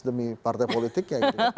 demi partai politiknya gitu